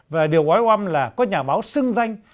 và điều gói oam là có nhà báo xưng danh